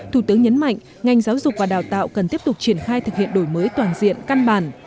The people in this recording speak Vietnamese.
thủ tướng nhấn mạnh ngành giáo dục và đào tạo cần tiếp tục triển khai thực hiện đổi mới toàn diện căn bản